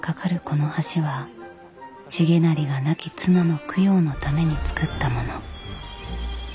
この橋は重成が亡き妻の供養のために造ったもの。